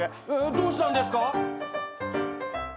どうしたんですか？